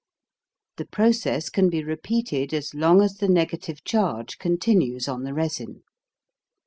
The process can be repeated as long as the negative charge continues on the resin.